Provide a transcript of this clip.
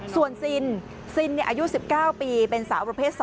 ส่วนซินซินอายุ๑๙ปีเป็นสาวประเภท๒